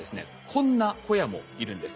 こんなホヤもいるんです。